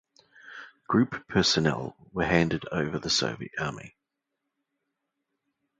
Gruppe personnel were handed over the Soviet Army.